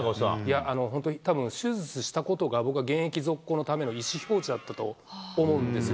本当に、たぶん、手術したことが僕は現役続行のための意思表示だったと思うんですよ。